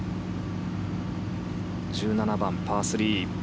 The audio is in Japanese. １７番、パー３。